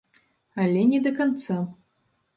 Але не да канца.